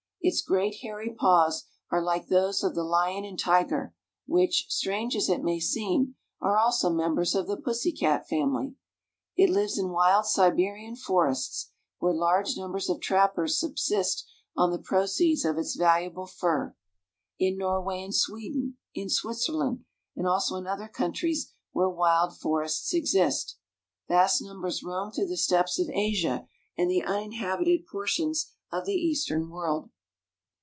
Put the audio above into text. Its great hairy paws are like those of the lion and tiger, which, strange as it may seem, are also members of the pussy cat family. It lives in wild Siberian forests (where large numbers of trappers subsist on the proceeds of its valuable fur), in Norway and Sweden, in Switzerland, and also in other countries where wild forests exist. Vast numbers roam through the steppes of Asia and the uninhabited portions of the Eastern world.